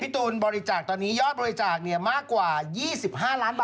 ตูนบริจาคตอนนี้ยอดบริจาคมากกว่า๒๕ล้านบาท